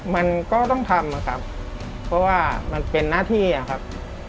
มันก็ต้องทำนะครับเพราะว่ามันเป็นหน้าที่อะครับ